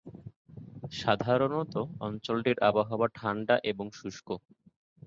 সাধারণত অঞ্চলটির আবহাওয়া ঠান্ডা এবং শুষ্ক।